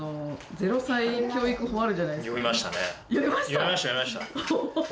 読みました読みました。